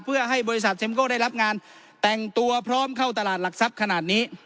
เพื่อให้บริษัทเมโก้ได้รับงานแต่งตัวพร้อมเข้าตลาดหลักทรัพย์ขนาดนี้